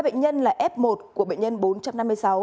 bệnh nhân là f một của bệnh nhân bốn trăm năm mươi sáu